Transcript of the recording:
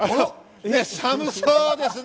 寒そうですね。